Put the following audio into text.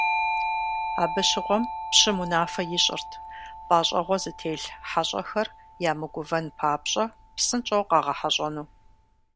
Абы щыгъуэм пщым унафэ ищӀырт - пӏащӏэгъуэ зытелъ хьэщӀэхэр ямыгувэн папщӏэ псынщӀэу къагъэхьэщӏэну.